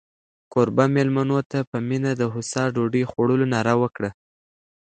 کوربه مېلمنو ته په مینه د هوسا ډوډۍ خوړلو ناره وکړه.